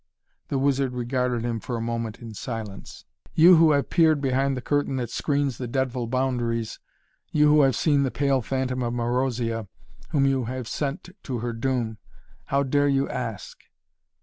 The wizard regarded him for a moment in silence. "You who have peered behind the curtain that screens the dreadful boundaries you who have seen the pale phantom of Marozia, whom you have sent to her doom, how dare you ask?"